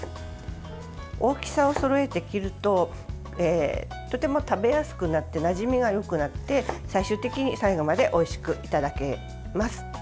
大きさをそろえて切るととても食べやすくなってなじみがよくなって、最終的に最後までおいしくいただけます。